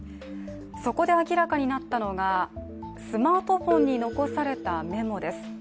そこで明らかになったのがスマートフォンに残されたメモです。